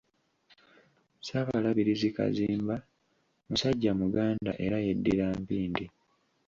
Ssaabalabirizi Kazimba musajja Muganda era yeddira Mpindi.